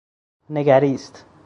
نگریست